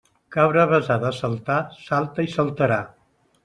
Cabra avesada a saltar salta i saltarà.